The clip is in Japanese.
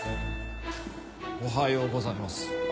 おはようございます。